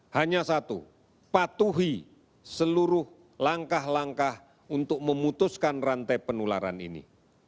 hanya satu patuhi seluruh langkah langkah untuk memutuskan rantai penularan ini